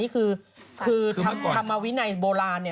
คือคำวินัยโบราณ